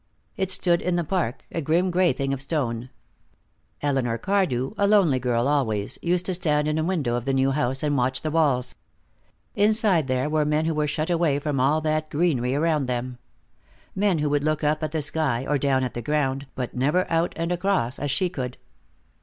It stood in the park, a grim gray thing of stone. Elinor Cardew, a lonely girl always, used to stand in a window of the new house and watch the walls. Inside there were men who were shut away from all that greenery around them. Men who could look up at the sky, or down at the ground, but never out and across, as she could.